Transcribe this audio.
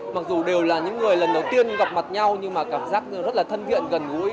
mặc dù đều là những người lần đầu tiên gặp mặt nhau nhưng mà cảm giác rất là thân thiện gần gũi